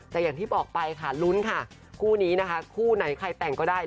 แต่อย่างที่บอกไปค่ะลุ้นค่ะคู่นี้นะคะคู่ไหนใครแต่งก็ได้